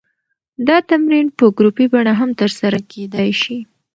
دا تمرین په ګروپي بڼه هم ترسره کېدی شي.